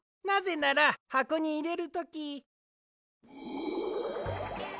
なぜならはこにいれるとき。